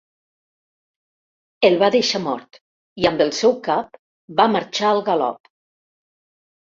El va deixar mort i, amb el seu cap, va marxar al galop.